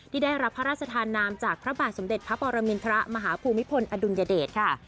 ได้รับพระราชทานนามจากพระบาทสมเด็จพระปรมินทรมาฮภูมิพลอดุลยเดชค่ะ